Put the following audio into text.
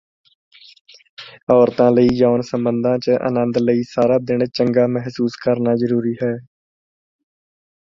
ਔਰਤਾਂ ਲਈ ਯੌਨ ਸਬੰਧਾਂ ਚ ਆਨੰਦ ਲਈ ਸਾਰਾ ਦਿਨ ਚੰਗਾ ਮਹਿਸੂਸ ਕਰਨਾ ਜ਼ਰੂਰੀ ਹੈ